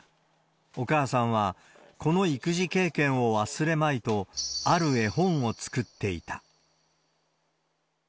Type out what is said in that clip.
お母さんはこの育児経験を忘れまいと、ある絵本を作っていた。